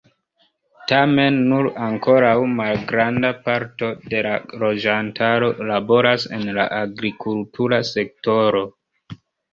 Tamen nur ankoraŭ malgranda parto de la loĝantaro laboras en la agrikultura sektoro.